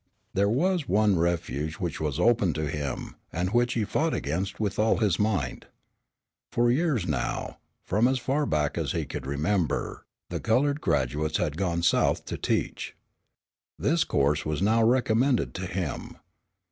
There was one refuge which was open to him, and which he fought against with all his might. For years now, from as far back as he could remember, the colored graduates had "gone South to teach." This course was now recommended to him.